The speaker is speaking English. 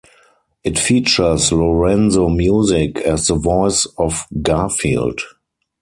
It features Lorenzo Music as the voice of Garfield.